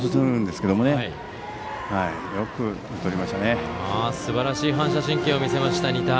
すばらしい反射神経を見せました、仁田。